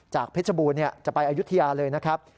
จากเพชรบูรณ์เนี่ยจะไปอายุทิยาเลยนะครับ